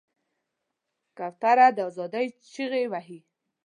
کوتره د آزادۍ چیغې وهي.